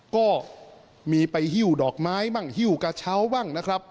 ก็มีไปหิวดอกไม้บ้างหิวกระเช้าบ้าง